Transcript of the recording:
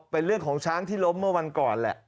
เป็นเรื่องของช้างที่ล้มเมื่อวันก่อนแหละ